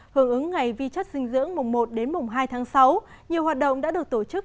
hưởng ứng ngày vi chất dinh dưỡng mùng một đến mùng hai tháng sáu nhiều hoạt động đã được tổ chức